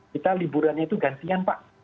kita liburannya itu gantian pak